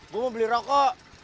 gua mau beli rokok